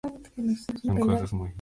El Presidente actual es Matías Arbizu.